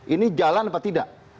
ini jalan apa tidak